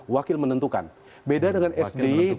wakil menentukan beda dengan sby